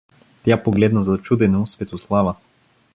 Тя погледна зачудено Светослава.